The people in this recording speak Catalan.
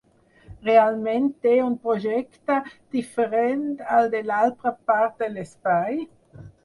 Realment té un projecte diferent al de l’altra part de l’espai?